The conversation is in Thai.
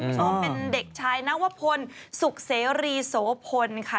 ชมเป็นเด็กชายนวพลสุขเสรีโสพลค่ะ